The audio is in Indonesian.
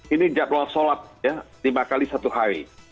ini jadwal sholat lima kali satu hari